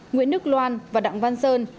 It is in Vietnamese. nguyễn đức loan và đặng văn sơn